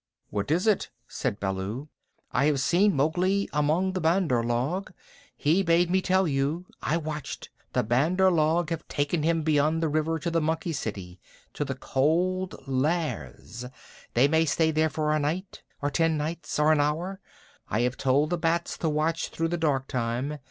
"What is it?" said Baloo. "I have seen Mowgli among the Bandar log. He bade me tell you. I watched. The Bandar log have taken him beyond the river to the monkey city to the Cold Lairs. They may stay there for a night, or ten nights, or an hour. I have told the bats to watch through the dark time.